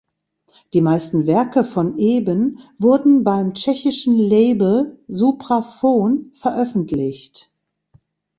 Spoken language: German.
Die meisten Werke von Eben wurden beim tschechischen Label Supraphon veröffentlicht.